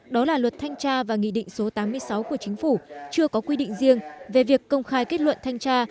đó là luật thanh tra và nghị định số tám mươi sáu của chính phủ chưa có quy định riêng về việc công khai kết luận thanh tra